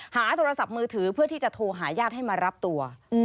โทรศัพท์มือถือเพื่อที่จะโทรหาญาติให้มารับตัว